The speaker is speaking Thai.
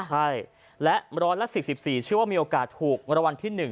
ใช่และ๑๔๔เชื่อว่ามีโอกาสถูกรางวัลที่๑